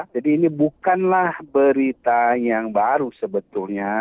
jadi ini bukanlah berita yang baru sebetulnya